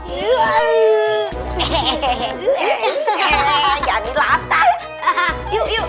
yuk yuk yuk